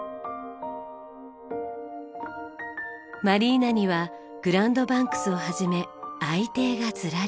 マリーナにはグランドバンクスを始め愛艇がずらり。